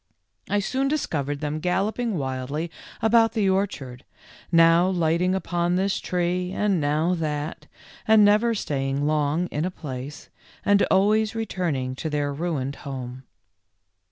I soon discovered them galloping wildly about the orchard, now lighting upon this tree and now that, and never staying long in a place, and always returning to their ruined home.